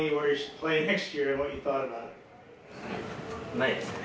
ないですね。